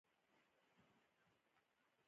لومړی یوه پدیده رامنځته کېږي.